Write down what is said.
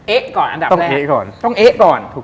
เอ๊ะก่อนอันดับแรกต้องเอ๊ะก่อน